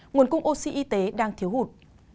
nguồn cung oxy y tế đang thiếu hụt